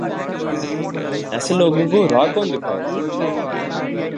ایسے لوگوں کو راہ کون دکھائے گا؟